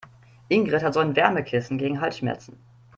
Ingrid hat so ein Wärmekissen gegen Halsschmerzen.